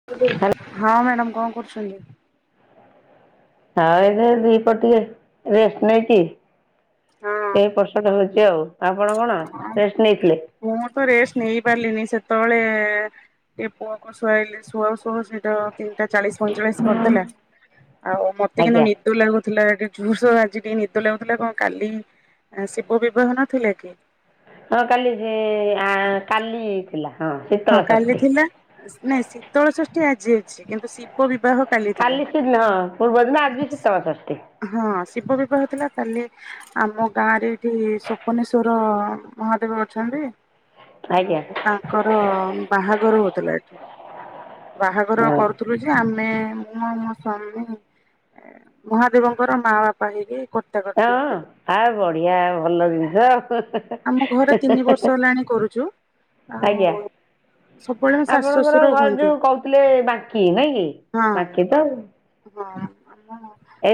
[inaudible] ହଁ ମ୍ୟାଡାମ୍ କଣ କରୁଛନ୍ତି? ହଁ ଏ ଦି ପଟେ ଏ ରେଷ୍ଟ ନେଇକି ହଁ ଆପଣ କଣ ରେଷ୍ଟ୍ ନେଇଥିଲେ? ମୁଁ ତ ରେଷ୍ଟ ନେଇ ପାରିଲିିନି ସେତେବେଳେ ଏ ପୁଅକୁ ଶୁଆଇଲି ଶୁଆଉ ଶୁଆଉ ଶେଟୁ ତିନିଟା ଚାଳିଶି ପଇଁଚାଳିଶି କରିଦେଲେ ଆଉ ମତେ କିନ୍ତୁ ଆଜ୍ଞା ନି ନିଦ ଲାଗୁଥିଲା ଜୁସ ଆଜି ଟିକେ ନିଦ ଲାଗୁଥିଲା କଣ କାଲି ଆ ଶିବ ବିବାହ ନଥିଲା କି? ହଁ କାଲି ହେ ଆଁ କାଲି ଥିଲା ହଁ। ହଁ ଶୀତଳ କାଲି ଷଷ୍ଠୀ। ଥିଲା ନାଇଁ ଶୀତଳ ଷଷ୍ଠୀ ଆଜି ଅଛି କିନ୍ତୁ ଶିବ ବିବାହ କାଲି ଶି ହଁ ଆଜି ଶିତଳ ଷଷ୍ଠୀ ହଁ ଶିବ ବିବାହ ଥିଲା କାଲି ଆମ ଗାଁ ରେ ଏଠି ସପନେଶ୍ୱର୍ ମହାଦେବ ଅଛନ୍ତି। ଆଉ ଆଜ୍ଞା। ତାଙ୍କର ବାହାଘର ହେଉଥିଲା ଏଠି ବାହାଘର ହଁ। କରୁ ଆମେ ମୁଁ ମୋ ସ୍ୱାମୀ ମହାଦେବଙ୍କର ମାଆ ବାପା ହେଇକି କରୁ ହାଁ ଆ ବଢିଆ ଭଲ ଜିନିଷ। ଆମ ଘରେ ତିନି ବର୍ଷ ହେଲାଣି କରୁଛୁ ଆଉ ଆଜ୍ଞା ସବୁବେଳେ ଶାଶୁ ଆପଣଙ୍କର ଶ୍ୱଶୁର ଘର ହୁଅନ୍ତି। ଯୋଉଁ କହୁଥିଲେ ବାଙ୍କୀ ନାଇକି ହଁ ବାଙ୍କୀ ତ ଆଉ। ହଁ ଆମ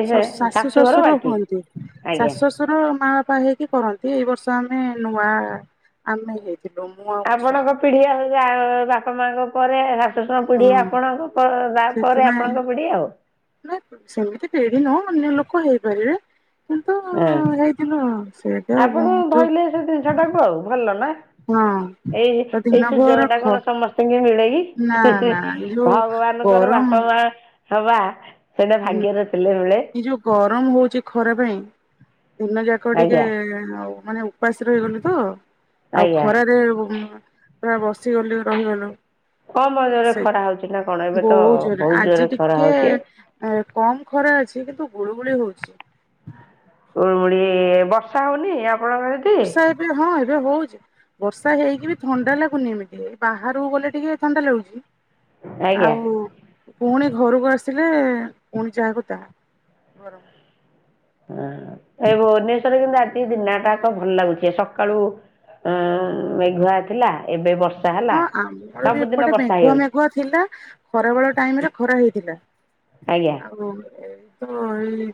ଶଶ ଶାଶୁ ଶାଶୁଘର ଶଶୁର ବାଙ୍କି ହୁଅନ୍ତି ଆଜ୍ଞା। ଶାଶୁ ଶଶୁ। ଆମର ମାଆ ବାପା ହେଇକି କରନ୍ତି ଏଇ ବର୍ଷ ଆମେ ନୂଆ ଆମେ ହେଇଚୁଁ ଦୋମୁହାଁ ବର୍ଷା। ଆପଣଙ୍କ ପିଢ଼ି ଆମେ ଯା ବାପା ମାଆଙ୍କ ପରେ ହାଁ ଶଶୁର ହଁ ପିଢ଼ି ଆପଣଙ୍କ ଗଲା ପରେ ଆପଣଙ୍କ ପିଢ଼ି ଆଉଁ। ହାଁକଁ ସେମିତି ପିଢ଼ି ନୁହ ଅନ୍ୟ ଲୋକ ହେଇ ପାରିବେ। କିନ୍ତୁ ହଁ ହେଇଥିଲୁ ଆଉ ସେଇ ଯୋଉଁ ଉଁ ମଁ ସେଟାକୁ ଆଉ ଭଲ ନାଁ ହଁ ତ ଏଇ ଦିନ ସୁଯୋଗ ଭୋର ଟା ଖ କଣ ସମସ୍ତଙ୍କୁ ମିଳେ କି। ନା ହେଁ ହେଁ ନା ଏ ଯୋଉ ଭଗବାନଙ୍କର ଗରମ ବାପା ମାଆ। ହବା ସେଟା ଭାଗ୍ୟ ରେ ଥିଲେ ମିଳେ। ଏଇ ଯୋଉ ଗରମ ହଉଛି ଖରା ପାଇଁ ଦିନ ଯାକ ଟିକେ ଆଜ୍ଞା ଆଉ ମାନେ ଉପାସ ଗଲେ ତ ଆଉ ଆଜ୍ଞା ଖରାରେ ପୁରା ବସିଗଲେ ରହିଗଲୁ। କମ ନାଁ ଜୋରରେ ଖରା ହଉଛି ନା କଣ ସେଇ ଏବେ ତ ବହୁତ୍ ଜୋରେ ବହୁତ ଜୋରରେ ଆଜି ଖରା ଟିକେ। ହଉଛି ଆରେ କମ୍ ଖରା ଅଛି କିନ୍ତୁ ଗୁଳୁଗୁଳି ହଉଛି। ଗୁଳୁଗୁଳି ବର୍ଷା ହେଉନି ଆଉ। ବର୍ଷା ଏବେ ହଉନି ଏବେ ହଉଛି। ବର୍ଷା ହେଇକି ବି ଥଣ୍ଡା ଲାଗୁନି ଏମିତି ବାହାରକୁ ଗୋଲେ ଟିକେ ଥଣ୍ଡା ଲାଗୁଛି। ଆଜ୍ଞା ଆଉ ପୁଣି ଘରକୁ ଆସିଲେ ପୁଣି ଯାହାକୁ ତାହା ଗରମ। ହଁ ଏ ଭୁବନେଶ୍ଵରରେ କିନ୍ତୁ ଆଜି ଦିନ ଟା ଯାକ ଭଲ ଲାଗୁଛି। ସକାଳୁ ଏଁ ମେଘ ଆଇଥିଲା ଏବେ ବର୍ଷା ହେଲା ହଁ ଆମର ବି ସବୁଦିନ ଏପଟେ ବର୍ଷା ମେଘୁଆ ହେଇଯାଉଛି ମେଘୁଆ ଥିଲା ଖରା ବେଳ ଟାଇମ ରେ ଖରା ହେଇଥିଲା। ଆଜ୍ଞା ଆଉ ଏଇ ତ ଏଇ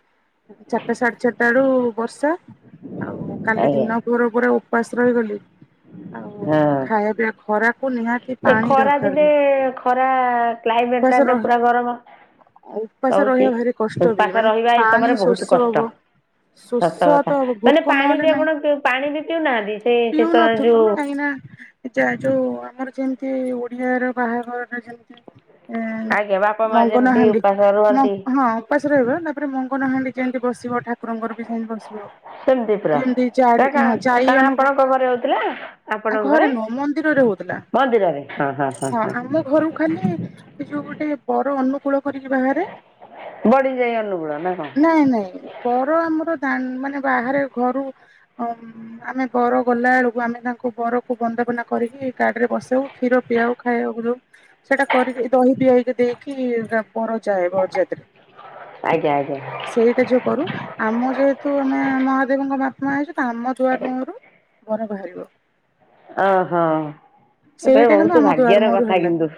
ଚାରିଟା ସାଢେ ଚାରିଟା ରୁ ବର୍ଷା ଆଉ କାଲି ଆଜ୍ଞା ଦିନ ପୁରା ପୁରା ଉପାସ ରହିଗଲି ଆଉ ହେଁ। ଖାଇବା ପିଇବା ଖରାକୁ ନିହା ଏ ଖରା ଦିନେ ଖରା କ୍ଲାଇମେଟ୍ ଉପାସ ଟା ଦେ ରହି ପୁରା ଗରମ। ଉପାସ ହୋଉଛି ରହିବା ଭାରି କଷ୍ଟ ବି ଉପାସ ମାନେ ରହିବା ଏଇ ପାଣି ସମୟରେ ବହୁତ୍ ଶୋଷ ହବ କଷ୍ଟ। ଶୋଷ ସତ ତ କଥା ମାନେ ଭୋକ ପାଣି ନହେଲେ ବି ନାହିଁ ଆପଣ ପିଉ ପାଣି ବି ପିଉନାହାନ୍ତି ସେ ସମୟରେ ପିଉନଥିଲୁ ଯୋଉଁ କାହିଁକି ନାଁ ଏଯା ଯୋଉଁ ଆମର ଯେମିତି ଓଡ଼ିଆର ବାହାଘର ଟା ଯେମିତି ହେଁ ଆଜ୍ଞା ବାପା ମା ମଙ୍ଗନ ଯେମିତି ହାଣ୍ଡି ଉପାସ ରୁହନ୍ତି ମଙ୍ଗ ହଁ। ଉପାସ ରହିବ ତାପରେ ମଙ୍ଗନହାଣ୍ଡି ଯେମିତି ବସିବ ଠାକୁରଙ୍କର ବି ସେମିତି ବସିବ। ସେମିତି ପୁରା ଯେମତି ନା ଚାରି ହଁ କାରଣ ଚାରିଜଣଙ୍କୁ ଆପଣଙ୍କ ଘରେ ହଉଥିଲା ଘରେ ନୁହଁ ମନ୍ଦିରରେ ହଉଥିଲା। ହଁ ଆମ ଘରକୁ ଖାଲି। ଏ ଯୋଉଁ ଗୋଟେ ବର ଅନୁକୂଳ କରିକି ବାହାରେ। ବଢିଯାଏ ଅନୁକୂଳ ନାଁ କଣ? ନାଇଁ ନାଇଁ ବର ଆମର ଦାଣ୍ଡ ମାନେ ବାହାରେ ଘରୁ ଉମ ଆମେ ବର ଗଲା ବେଳକୁ ଆମେ ତାଙ୍କୁ ବରକୁ ବନ୍ଦାପନା କରିକି ଗାଡ଼ିରେ ବସାଉ କ୍ଷୀର ପିଆଉ। ଖାଇବାକୁ ଦେବୁ ସେଇଟା କରିକି ଦହି ପିଆଇ ଦେଇକି ତା ବର ଯାଏ ବରଯାତ୍ରୀ। ଆଜ୍ଞା ଆଜ୍ଞା। ସେଇଟା ଯୋଉଁ କରୁ ଆମ ଯେହେତୁ ଆମେ ମହାଦେବଙ୍କ ବାପା ମା ହେଇଛୁ ତ ଆମ ଦୁଆର ମୁହଁରୁ ବର ବାହାରିବ। ଓ ହୋ। [unintelligible] ସେଇଟା କିନ୍ତୁ ବହୁତ ଆମ ଦୁଆର ଭାଗ୍ୟର ମୁହଁରୁ କଥା ହେଲା କିନ୍ତୁ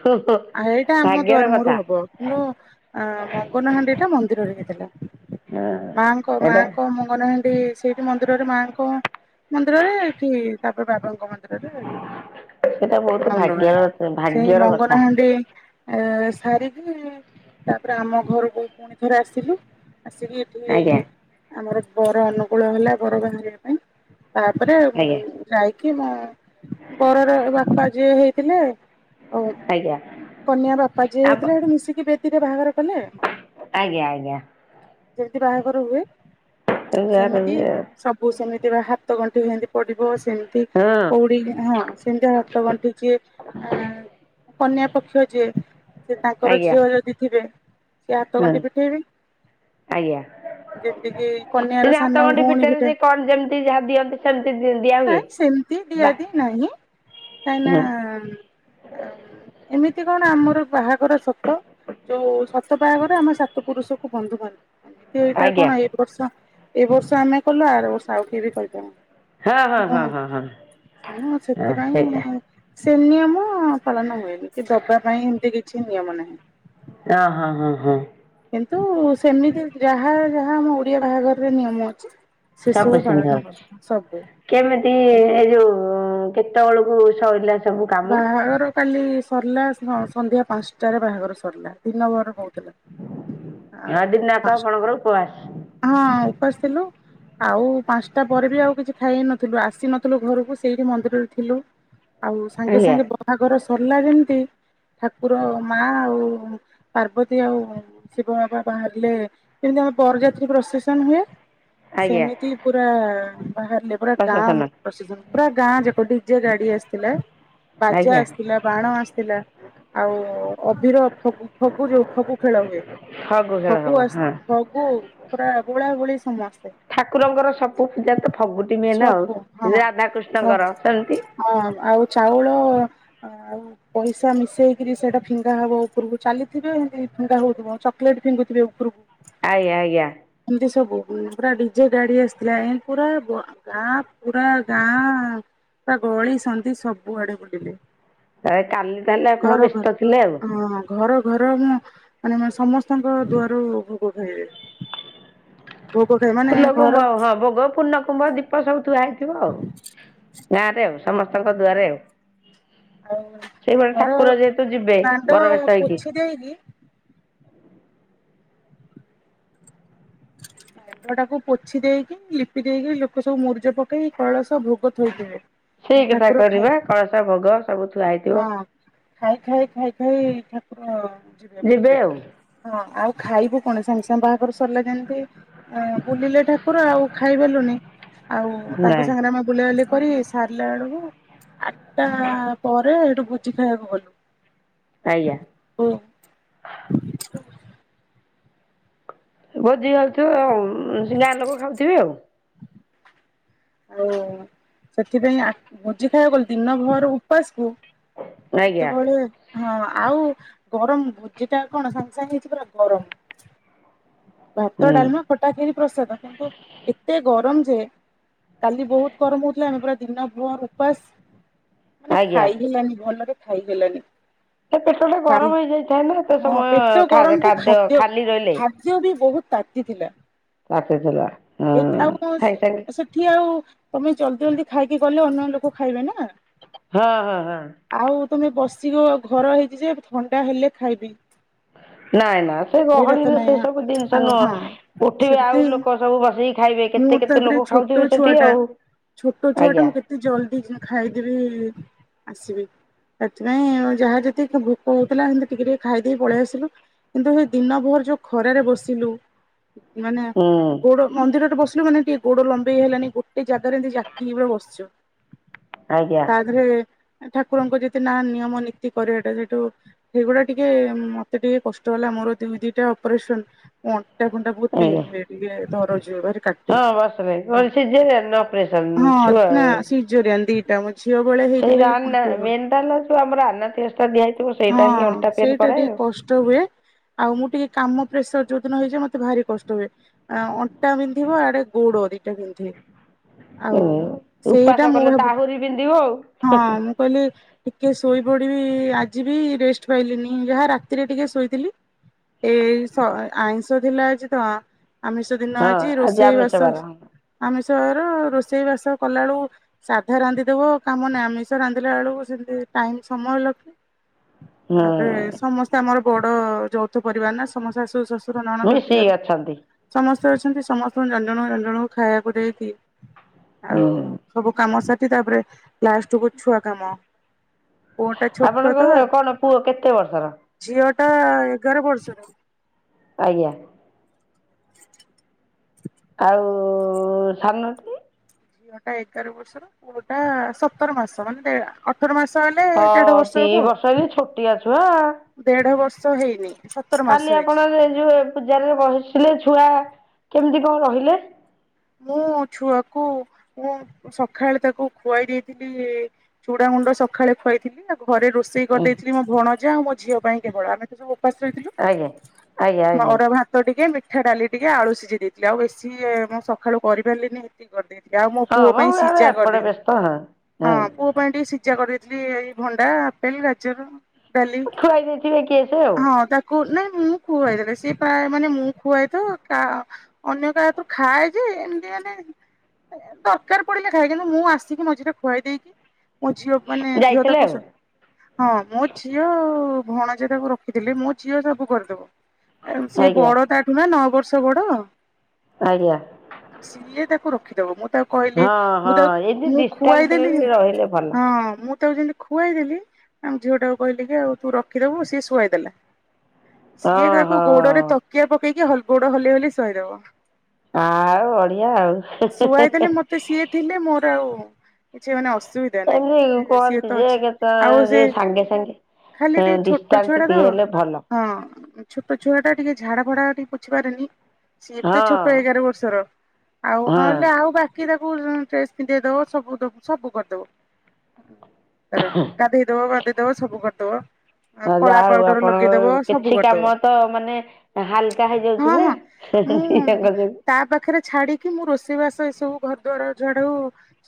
ଭାଗ୍ୟର କଥା। ମୋ ଆଁ ମଙ୍ଗନହାଣ୍ଡି ଟା ମନ୍ଦିରରେ ହେଇଥିଲା। ହଁ ମାଙ୍କ ସେଟା ମାଙ୍କ ମଙ୍ଗନ ହା ସେଠି ସେଇଠି ମନ୍ଦିରରେ ମାଙ୍କ ମନ୍ଦିରରେ ଏଠି ତାପରେ ବାବାଙ୍କ ମନ୍ଦିରରେ ସେଟା ବହୁତ ଭାଗ୍ୟର [unintelligible] ସେଇ ଭାଗ୍ୟର କଥା ମଙ୍ଗନହାଣ୍ଡି ଏ ସାରିକି ତାପରେ ଆମ ଘରକୁ ପୁଣି ଥରେ ଆସିଲି ଆସିକି ଏଠି ଆଜ୍ଞା ଆମର ବର ଅନୁକୂଳ ହେଲା ବର ବାହାରିବା ପାଇଁ ତାପରେ ଆଜ୍ଞା ଯାଇକି ମୋ ବରର ବାପା ଯିଏ ହେଇଥିଲେ ଆଉ ଆଜ୍ଞା କନ୍ୟା ବାପା ଯିଏ ଆପ ହେଇଥିଲେ ହେଠୁ ମିଶିକି ବେଦିରେ ବାହାଘର କଲେ। ଆଜ୍ଞା ଆଜ୍ଞା ଯେମିତି ବାହାଘର ହୁଏ ହଁ ଆଜ୍ଞା ସେମିତି ସବୁ ପୁ ସେମିତି ବା ହାତ ଗଣ୍ଠି ହେମିତି ପଡିବ ସେମିତି ହଁ କଉଡି ହଁ ସେମିତି ହା ହାତ ଗଣ୍ଠି ଯିଏ ଆଁ କନ୍ୟା ପକ୍ଷ ଯିଏ ସେ ତାଙ୍କର ଆଜ୍ଞା ଝିଅ ଯଦି ଥିବେ ସିଏ ହାତ ଗଣ୍ଠି ପିଠେଇବେ। ଆଜ୍ଞା। କିି କନ୍ୟାର ସେ ଯିଏ ସାନ ହାତ ଗଣ୍ଠି ଭଉଣୀ ଫିଟେଇଲେ ଫିଟେ ଯେ କଣ ଯେମିତି ଯାହା ଦିଅନ୍ତି ସେମତି ଦି ଦିଆ ହୁଏ? ଦି ବା ଦିଆନ୍ତି ନାହିଁ। କାହିଁନା ହୁଁ ଆ ଏମିତି କଣ ଆମର ବାହାଘର ସତ। ଯୋଉ ସତ ବାହାଘର ଆମେ ସାତ ପୁରୁଷକୁ ବନ୍ଧୁ ବାନ୍ଧୁ। କି ଏଇଟା ଆଜ୍ଞା କଣ ଏଇ ବର୍ଷ ଏଇ ବର୍ଷ ଆମେ କଲୁ ଆର ବର୍ଷ ଆଉ କିଏ ବି ହଁ କହିପାରନ୍ତି। ହଁ ହଁ [unintelligible] ହଁ ହଁ ହଁ ସେତି ପାଇଁ ସେ ନିୟମ ପାଳନ ହୁଏନି କି ଦବା ପାଇଁ ହେମିତି କିଛି ନିୟମ ନାହିଁ। ୟ ହଁ ହଁ ହଁ। କିନ୍ତୁ ସେମିତି ଯାହା ଯାହା ଆମ ଓଡିଆ ବାହାଘରରେ ନିୟମ ଅଛି। ସେ ସବୁ ସିନ୍ତି ପାଳନ ଅଛି କରୁ ସବୁ। କେମିତି ଏ ଯୋଉ କେତେବେଳକୁ ସରଲା? ବାହାଘର କାଲି ସରିଲା ସ ସନ୍ଧ୍ୟା ପାଞ୍ଚଟାରେ ବାହାଘର ସରିଲା ଦିନ ଭର ହଉଥିଲା। ଆଉ ଦିନଯାକ ଆପଣଙ୍କର ଉପବାସ ପଂଶ ହଁ ଉପାସ୍ ଥିଲୁ। ଆଉ ପାଞ୍ଚଟା ପରେ ବି ଆଉ କିଛି ଖାଇ ହେଇନଥିଲୁ ଆସିନଥିଲୁ ଘରକୁ ସେଇଠି ମନ୍ଦିରରେ ଥିଲୁ। ଆଉ ସାଙ୍ଗେ ଆଜ୍ଞା ସାଙ୍ଗେ ବାହାଘର ସରିଲା ଯେମିତି ଠାକୁର ମା ଆଉ ପାର୍ବତୀ ଆଉ ଶିବ ବାବା ବାହାରିଲେ ଯେମିତି ଆମ ବରଯାତ୍ରୀ ପ୍ରଶସନ୍ ହୁଏ ଆଜ୍ଞା ସେମିତି ପୁରା ବାହାରିଲେ ପୁରା ପ୍ରଶାସନ ଗାଁ ପ୍ରସେସନ୍ ପୁରା ଗାଁ ଯାକ ଡିଜେ ଗାଡି ଆସିଥିଲେ। ବାଜା ଆଜ୍ଞା ଆସିଥିଲା ବାଣ ଆସିଥିଲା। ଆଉ ଅଭିିର ଫ ଫଗୁ ଯୋଉ ଫଗୁ ଖେଳ ହୁଏ। ଖେଳ ଫଗୁ ହବ ଆସ ହଁ ଫଗୁ ପୁରା ବୋଳା ବୋଳି ସମସ୍ତେ। ଠାକୁରଙ୍କର ସବୁ ପୂଜା ତ ଫଗୁଟି ମେନ୍ ଆଉ ସବୁ ହଁ। ରାଧାକୃଷ୍ଣଙ୍କର ସେମିତି। ହଁ ଆଉ ଚାଉଳ ଆଉ ପଇସା ମିଶେଇକିରି ସେଇଟା ଫିଙ୍ଗା ହବ ଉପରକୁ ଚାଲିଥିବେ ହେନ୍ତି ଫିଙ୍ଗା ହଉଥିବ ଚକୋଲେଟ ଫିଙ୍ଗୁଥିବେ ଉ ଉପୁରୁ ଆଜ୍ଞା ଆଜ୍ଞା। ଏମିତି ସବୁ ପୁରା ଡିଜେ ଗାଡି ଆସିଥିଲା ଏନ୍ତି ପୁରା ବ ଗାଁ ପୁରା ଗାଁ ପୁରା ଗଳି ସନ୍ଧି ସବୁ ଆଡେ ବୁଲିଲେ। ଏ କାଲି ତାହେଲେ ଆପଣ ଘର ଘର ବ୍ୟସ୍ତ ଥିଲେ ଆଉ। ହଁ ଘର ଘର ମୁଁ ମାନେ ସମସ୍ତଙ୍କ ଦୁଆରୁ ଭୋଗ ଖାଇବେ। ଭୋଗ ଖା ମା ଫୁଲ କୁମ୍ଭ ହଁ ଭୋଗ ପୂର୍ଣ କୁମ୍ଭ ଦି ପାପ ସବୁ ଥୁଆ ହେଇଥିବ ଆଉ ଗାଁ ରେ ଆଉ ସମସ୍ତଙ୍କ ଦୁଆରେ ଆଉ। ଆଉ ସେଇ ଭଳି ଘର ଠାକୁର ଯେହେତୁ ଯିବେ ଦାଣ୍ଡ ବର ବେଶ ହେଇକି। [inaudible] ହଁ [unintelligible] ଘରଟାକୁ ପୋଛି ଦେଇକି ଲିପି ଦେଇକି ଲୋକ ସବୁ ମୁରୁଜ ପକେଇକି କଳସ ଭୋଗ ଥୋଇଥିବେ। ସେଇ କଥା କରିବା କଳସ ଭୋଗ ସବୁ ଥୁଆ ହେଇଥିବ। ହଁ ଖାଇ ଖାଇ ଖାଇ ଖାଇ ଠାକୁର ଯିବେ ବୁଝିଲେ ହଁ ଆଉ ଖାଇବୁ କଣ ସାଙ୍ଗେ ସାଙ୍ଗ ବାହାଘରୁ ସରିଲା ଯେଣି ବୁଲିଲେ ଠାକୁର ଆଉ ଖାଇପାରଲୁନି ଆଉ ନା ତାଙ୍କ ସାଙ୍ଗରେ ଆମେ ବୁଲାବୁଲି କରି ସାରିଲା ବେଳକୁ ଆଠଟା ପରେ ହେଠୁ ଭୋଜି ଖାଇବାକୁ ଗଲୁ। ଆଜ୍ଞା। ହୁଁ ଭୋଜି ହେଉଥିବ ଆଉ। ଗାଁ ଲୋକ ଖାଉଥିବେ ଆଉ ଆଉ ସେଥିପାଇଁ ଭୋଜି ଖାଇବାକୁ ଗଲେ ଦିନ ଭର ଉପାସକୁ ଆଜ୍ଞା ଯେତେବେଳେ ହଁ ଆଉ ଗରମ ଭୋଜି ଟା କଣ ସାଙ୍ଗେ ସାଙ୍ଗେ ହେଇଛି ପୁରା ଗରମ ଭାତ, ହୁଁ ଡାଲମା, ଖଟା, କ୍ଷୀରି, ପ୍ରସାଦ କିନ୍ତୁ ଏତେ ଗରମ ଯେ କାଲି ବହୁତ ଗରମ ହଉଥିଲା ଆମେ ପୁରା ଦିନ ଭର ଉପାସ ମାନେ ଆଜ୍ଞା ଖାଇ ହେଲାନି ଭଲରେ ଖାଇ ହେଲାଣି। ସେ ପେଟଟା ଗରମ ହେଇଯାଇଥାଏ ନା ଏତେ ହଁ ସମୟ ପେଟ ଗରମକୁ ଖାଦ୍ୟ ଖାଲି ରହିଲେ। ଖାଦ୍ୟ ଟି ବହୁତ ତାତିଥିଲା। ତାତିଥିଲା। ହଁ ଆଉ ସାଙ୍ଗେ ସାଙ୍ଗେ ସେଠି ଆଉ ତମେ ଜଲଦି ଜଲଦି ଖାଇକି ଗଲେ ଅନ୍ୟ ଲୋକ ଖାଇବେ ନା। ହଁ ହଁ ହଁ। ଆଉ ତମେ ବସିବ ଘର ହେଇଛି ଯେ ଥଣ୍ଡା ହେଲେ ଖାଇବି। ନାଇଁ ନା ସେ ଏଇଟା ତ ଗହଳିରେ ସେ ନାଇଁ ସବୁ ଜିନିଷ ଆଉ ନୁହଁ ହଁ ଉଠିବେ ସେମିତି ଆଉ ଲୋକ ସବୁ ବସିକି ଖାଇବେ ମୁଁ କେତେ କେତେ ତାପରେ ଲୋକ ଛୋଟ ଖାଉଥିବେ ଛୁଆ ସେଠି ଟା ଆଉ ଛୋଟ ଛୁଆ ଟା ଆଜ୍ଞା। ମୁଁ ଜଲଦି ଖାଇଦେବି ଆସିବି। ସେଥିପାଇଁ ଯାହା ଯେତିକି ଭୋକ ହଉଥିଲା ସେମିତି ଟିକେ ଟିକେ ଖାଇଦେଇ ପଳେଇ ଆସିଲୁ। କିନ୍ତୁ ଦିନ ଭୋର ଯୋଉ ଖରାରେ ବସିଲୁ ମାନେ ହୁଁ ଗୋଡ ମନ୍ଦିର ବସିଲୁ ମାନେ ଟିକେ ଗୋଡ ଲମ୍ବେଇ ହେଲାନି ଗୋଟେ ଜାଗାରେ ଏମତି ଜାକିକି ପୁରା ବସିଛୁ। ଆଜ୍ଞା ତା ଦେହରେ ଠାକୁରଙ୍କ ଯେତେ ନା ନିୟମ ନୀତି କରିବାଟା ସେଇଠୁ ସେଗୁଡା ଟିକେ ମତେ ଟିକେ କଷ୍ଟ ହେଲା ମୋର ଦୁଇ ଦିଟା ଅପରେସନ ଅଣ୍ଟା ଫଣ୍ଟା ବହୁତ ପେନ୍ ଆଜ୍ଞା ହୁଏ ଟିକେ ଦରଜ ହୁଏ କାଟେ। ହଁ ବାପରେ ନ ସିଯେରିନ ନା ଅପରେସନ୍ ଛୁଆ ସିଜରିଆନ୍ ଦିଟା ଝିଅ ବଳେଆ ସେଇ ହେଇଥିଲି ପୁଣି ରାନା ପୁଅବେଳେ ମେଣ୍ଡାଲ ଯୋଉ ଆମର ଆନାଥିଓସ୍ଟା ଦିଆହେଇଥିବ ସେଇଟା ହିଁ ହଁ ଅଣ୍ଟା ପେନ୍ ସେଇଟା କରାଏ ଟିକେ ଆଉ। କଷ୍ଟ ହୁଏ ଆଉ ମୁଁ ଟିକେ କାମ ପ୍ରେସର ଯୋଉ ଦିନ ହେଇଯାଏ ମତେ ଭାରି କଷ୍ଟ ହୁଏ। ଅଣ୍ଟା ବି ନ୍ଧିବ ଆଡେ ଗୋଡ ଦିଟା ବିନ୍ଧେ। ଆଉ ହୁଁ ଉପାସ ସେଇଟା ମୁଁ କଲେ ତ ଭାବ। ଆହୁରି ବିନ୍ଧିବ ଆଉ। ହଁ ମୁଁ କହିଲି। ଟିକେ ଶୋଇପଡିବି ଆଜି ବି ରେଷ୍ଟ ପାଇଲିନି ଯାହା ରାତିରେ ଟିକେ ଶୋଇଥିଲି। ଏଇ ଆଇଁଷ ଥିଲା ଆଜି ତ ଆମିଷ ଦିନ ହଁ ଆଜି ରୋଷେଇ ଆମିଷ ବାସ। ବାର ହୁଁ। ଆମିଶ ଘର ରୋଷେଇ ବାସ କଲାବେଳକୁ ସାଧା ରାନ୍ଧିଦବ କାମ ନାହିଁ ଆମିଷ ରାନ୍ଧିଲା ବେଳକୁ ସେମତି ଟାଇମ୍ ସମୟ ଲାଗେ। ଆଉପରେ ସମସ୍ତେ ଆମର ବଡ ଯୌଥ ପରିବାର ନା ସମସ୍ତେ ଶାଶୁ ଶଶୁର। ଶୁର ନଣନ୍ଦ ମିଶିକି ଦିଅର। ଅଛନ୍ତି ସମସ୍ତେ ଅଛନ୍ତି ସମସ୍ତଙ୍କୁ ଜଣଜଣ ଜଣଙ୍କୁ ଖାଇବାକୁ ଦେଇକି ଆଉ। ହୁଁ ସବୁ କାମ ସାରି ତାପରେ ଲାଷ୍ଟ କୁ ଛୁଆ କାମ। ପୁଅ ଟା ଛୋଟ ଆପଣଙ୍କର ତ କଣ ପୁଅ କେତେ ବର୍ଷର। ଝିଅ ଟା ଏଗାର ବର୍ଷର। ଆଜ୍ଞା। ଆଉ ସାନ ଟା। ଝିଅ ଟା ଏଗାର ବର୍ଷର ପୁଅଟା ସତର ମାସ ମାନେଦେଢ଼। ଅଠର ମାସ ହେଲେ ହଁ ଦେଢ ବର୍ଷ ଦି ହବ। ହେଲେ ଛୋଟିଆ ଛୁଆ। ଦେଢ ବର୍ଷ ହେଇନି ସ। କାଲି ଆପଣମାନେ ଏ ଯୋଉ ଯୋଉ ପୂଜାରେ ବସିଲେ ଛୁଆ କେମିତି କଣ ରହିଲେ। ମୁଁ ଛୁଆକୁ ମୁଁ। ସକାଳେ ତାକୁ ଖୁଆଇ ଦେଇଥିଲି ଚୁଡା ଗୁଣ୍ଡ ସକାଳେ ଖୁଆଇଥିଲି ତା। ଘରେ ରୋଷେଇ କରିଦେଇଥିଲି ମୋ ଭଣଜା ଆଉ ମୋ ଝିଅ ପାଇଁ କେବଳ ଆମେ ତ ସବୁ। ଉପାସ ରହିଥିଲୁ ଆଜ୍ଞା ଆଜ୍ଞା ମ ଆଜ୍ଞା ଅରୁଆ ଭାତ। ଭାତ ଟିକେ ମିଠା ଡାଲି ଟିକେ ଆଳୁ ସିଝେଇ ଦେଇଥିଲି ଆଉ ବେଶୀ ମୁଁ ସକାଳୁ କରିପାରିଲିନି। କି କରିଦେଇଥିଲି ଆଉ ମୋ ହଁ ପୁଅ ମ ପାଇଁ ଆମେ ସିଝା ଏପଟେ କରିଦେଇଥିଲି ବ୍ୟସ୍ତ ହଁ ହଁ ପୁଅ। ପାଇଁ ଟିକେ ସିଝା କରିଦେଇଥିଲି ଏଇ ଭଣ୍ଡା ଆପେଲ ଗାଜର। ଡାଲି ଖୁଆଇ ଦେଇଥିବେ କିଏ ସେ ଆଉ ହଁ ତା। କୁ ନାଇଁ ମୁଁ ଖୁଆଇେଦେଲେ ସିଏ ପ୍ରାୟ ମାନେ ମୁଁ ଖୁଆଇତ କା ଅନ୍ୟ କାହାତରୁ ଖାଏ। ଯେ ଏମିତି ଦରକାର ପଡିଲେ ଖାଏ କିନ୍ତୁ ମୁଁ ଆସିକି ମଝିରେ ଖୁଆଇ ଦେଇକି। ମୋ ଝିଅକୁ ମାନେ ଯାଇଥିଲେ ଝିଅଟାକୁ ଆଉ ଶୁଆଏ। ହଁ ମୋ ଝିଅ ଭଣଜା ତାକୁ ରଖିଥିଲେ ମୋ ଝିଅ ସବୁ କରିଦେବ। କାରଣ ସିଏ ଆଜ୍ଞା ବଡ ତା ଠୁ ନା ନଅ ବର୍ଷ ବଡ। ଆଜ୍ଞା। ସିଏ ତାକୁ ରଖିଦବ ମୁଁ ତାକୁ। କହିଲି ହଁ ମୁଁ ହଁ ତାକୁ ଏମିତି ମୁଁ ଡିଷ୍ଟାନ୍ସରେ ଖୁଆଇଦେଲି ବି ରହିଲେ ଯେମତି ଭଲ ହଁ ମୁଁ ତାକୁ ଯେମତି। ଖୁଆଇଦେଲି ଆମ ଝିଅଟାକୁ କହିଲି କି ଆଉ ତୁ ରଖିଦବୁ ସିଏ ଶୁଆଇଦେଲା। ସିଏ ହଁ ତାକୁ ଗୋଡରେ ହଁ ତକିଆ ପକେଇକି ହଲ ଗୋଡ ହଲେଇ ହଲେଇ ଶୁଆଇଦେବ। ଆ ଆଉ ଭଡିିଆ ଆଉ। ଶୁଆଇ ଦେଲେ ମତେ ସିଏ ଥିଲେ ମୋର ଆଉ କିଛି ମାନେ ଅସୁବିଧା। ଏମିତି ଚିନ୍ତା ନାଇଁ ସିଏ କୁହନ୍ତି ତ ଯେ ଅଛି କେତେ ଆଉ ସେ। ଯେ ସାଙ୍ଗେ ସାଙ୍ଗେ ଖାଲି ଟିକେ ଛୋଟ ଡିଷ୍ଟାନ୍ସ ଛୁଆଟା ତ ଟିକେ ହେଲେ ଭଲ ହଁ। ଛୋଟ ଛୁଆଟା ଟିକେ ଝାଡା ଫାଡା ଟିକେ ପେଛି ପାରେନି ସିଏ ଏତେ ହଁ ଛୋଟ ଏଗାର ବର୍ଷ। ବର୍ଷର ଆଉ ହଁ ନହେଲେ ଆଉ ବାକି। କି ତାକୁ ଡ୍ରେସ ପିନ୍ଧେଇ ଦବ ସବୁ ଦ ସବୁ କରିଦବ। ତାର ଗାଧେଇ ଦବ ବାଧେଇ ଦବ ସବୁ କରିଦବ। ହଁ ଯା କଳା ହଉ ପାଉଡର ଆପଣଙ୍କ ଲଗେଇଦବ ସବୁ କିଛି କରିଦବ କାମ ତ ମାନେ ହାଲକା ହଁ ହେଇଯାଉଛି ନା। ହଁ ସେ ମୁଁ [unintelligible] ତା ପାଖରେ ଛାଡିକି ମୁଁ ରୋଷେଇ ବାସ ଏ ସବୁ ଘର ଦ୍ୱାର ଝାଡୁ।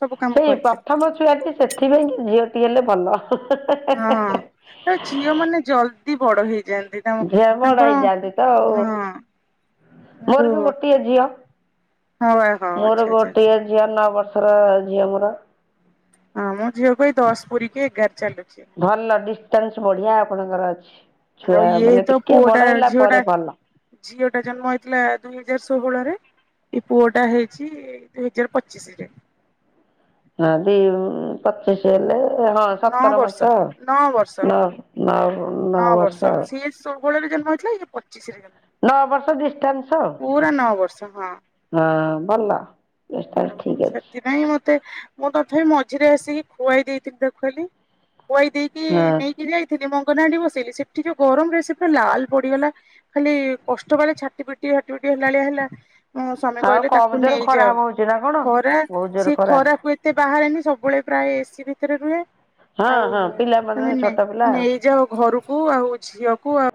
ସବୁ କାମ ସେଇ କରିଥାଏ ପ୍ରଥମ ଛୁଆଟି ସେଥିପାଇଁ କି ଝିଅଟିଏ ହେଲେ ଭଲ ହେ ହେଁ ଏ। ହଁ। ତ ଝିଅ ମାନେ ଜଲଦି ବଡ ହେଇଯାଆନ୍ତି। ତାଙ୍କ ଝିଅ ବଡ ତାଙ୍କର ହେଇଯାଆନ୍ତି ତ ଆଉ ହଁ ସେଠୁ ମୋର ବି ଗୋଟେ। ଗୋଟିଏ ଝିଅ ହଁ ବା ହଁ ମୋର ଆଚ୍ଛା ଆଚ୍ଛା ଗୋଟିଏ ଝିଅ ନଅ ବର୍ଷର ଝିଅ ମୋର। ହଁ ମୋ ଝିଅକୁ ଏଇ ଦଶ ପୁରିକି ଏଗାର ଚାଲୁଛି। ଭଲ ଡିଷ୍ଟାନ୍ସ ବଢିଆ ଆପଣଙ୍କର ଅଛି। ଆଉ ଛୁଆ ଇଏ ମାନେ ଟିକେ ବଡ ହେଲା ପରେ ଭଲ। ଝିଅ ଟା ଜନ୍ମ ହେଇଥିଲା ଦୁଇ ହଜାର ଷୋହଳରେ। ଏଇ ପୁଅ ଟା ହେଇଛି ଦୁଇ ହଜାର ପଚିଶି ରେ। ହଁ ଦି ପଚିଶି ହେଲେ ହଁ ନଅ ସତର ବର୍ଷ ମାସ ଆଉ। ନଅ ବର୍ଷ ନ ନ ନଅ ବର୍ଷ ଆଉ। ଷୋହଳରେ ଜନ୍ମ ହେଇଥିଲା ଇଏ ପଚିସିରେ ଜନ୍ମ। ନଅ ବର୍ଷ ଡିଷ୍ଟାନ୍ସ। ପୁରା ନଅ ବର୍ଷ ହଁ। ହଁ ଭଲ। ଡିଷ୍ଟାନ୍ସ ଆଉ ଠିକ୍ ଅଛି ସେଥିପାଇଁ ମ ତେ ମୁଁ ତଥାପି ମଝିରେ ଆସିକି ଖୁଆଇ ଦେଇଥିଲି ତାକୁ ଖାଲି। ଖୁଆଇ ଦେଇ ହଁ। କି ଯାଇଥିଲି ମଙ୍ଗନହାଣ୍ଡି ବସେଇଲି। ସେଠି ଯୋଉ ଗରମ ରେ ସେ ପୁରା ଲାଲ୍ ପଡିଗଲା। ଖାଲି କଷ୍ଟ ପାଇଲା। ଛାଟି ପିଟି ଛାଟି ପିଟି ହେଲା ଭଳିଆ ହେଲା ମୋ ସ୍ୱାମୀ ଆଉ କହିଲେ କମ ତାକୁ ଜୋରେ ଖରା ନେଇଯାଅ। ହବ ହଉଛି ନା କଣ ଖରା ବହୁତ ଜୋରେ ସିଏ ଖରା ଖରାକୁ ଏତେ ବାହାରେନି ସବୁବେଳେ ପ୍ରାଏ ଏସିି ଭିତରେ ରୁହେ। ହଁ ଆଉ ହଁ ପିଲାମାନେ ତମେ ନେ ଛୋଟ ପିଲା ଆଉ ନେଇଯାଅ ଘରୁକୁ ଆଉ ଝିଅକୁ ଆଉ